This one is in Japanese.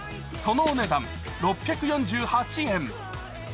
そのお値段６４８円。